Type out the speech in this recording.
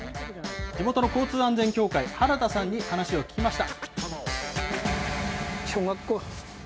地元の交通安全協会、原田さんに話を聞きました。